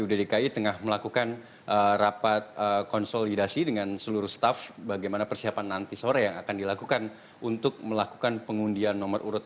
kpu dki tengah melakukan rapat konsolidasi dengan seluruh staff bagaimana persiapan nanti sore yang akan dilakukan untuk melakukan pengundian nomor urut